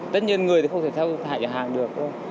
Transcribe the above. tất nhiên người thì không thể theo hạng được thôi